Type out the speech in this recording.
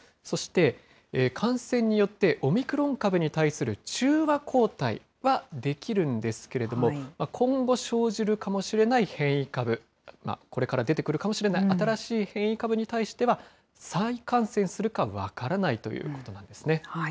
そして、感染によってオミクロン株に対する中和抗体は出来るんですけれども、今後生じるかもしれない変異株、これから出てくるかもしれない新しい変異株に対しては、再感染するか分からないということなんですね。